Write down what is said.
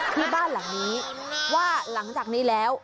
ที่บ้านหลังนี้ว่าหลังจากนี้แล้ว